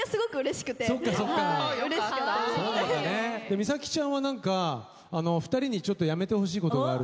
美咲ちゃんは２人にちょっとやめてほしいことがあるって。